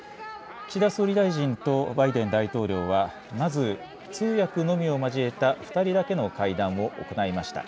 岸田総理大臣とバイデン大統領はまず通訳のみを交えた２人だけの会談を行いました。